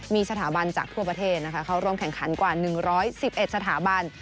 มีสถาบันจากทั่วประเทศเข้าร่วมแข่งขันกว่า๑๑๑สถาบัน